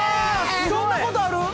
そんなことある？